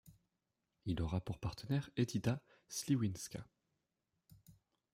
Il aura pour partenaire Edyta Śliwińska.